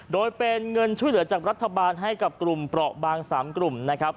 โดยเป็นเงินช่วยเหลือจากรัฐบาลให้กับกลุ่มเปราะบาง๓กลุ่มนะครับ